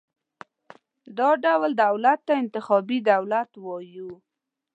دا ډول دولت ته انتخابي دولت وایو.